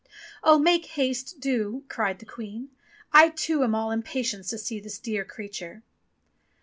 "Oh, make haste, do!" cried the Queen, "I, too, am all impatience to see this dear creature."